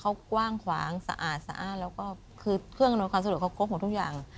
เขากว้างขวางสะอาดแล้วก็คือเครื่องกำหนดความสะดวกเขากบของทุกอย่าง